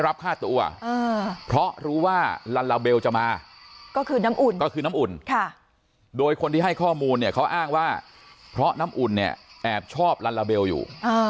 รับค่าตัวเพราะรู้ว่าลัลลาเบลจะมาก็คือน้ำอุ่นก็คือน้ำอุ่นโดยคนที่ให้ข้อมูลเนี่ยเขาอ้างว่าเพราะน้ำอุ่นเนี่ยแอบชอบลัลลาเบลอยู่